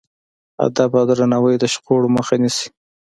ادب او درناوی د شخړو مخه نیسي.